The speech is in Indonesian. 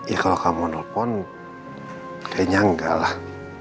ya kalau kamu mau nelfon kayaknya enggak lah